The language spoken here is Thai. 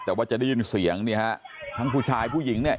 แต่ว่าจะได้ยินเสียงเนี่ยฮะทั้งผู้ชายผู้หญิงเนี่ย